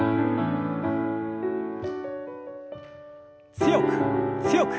強く強く。